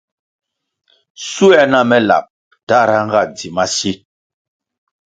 Schuer na me lab tahra nga dzi masi.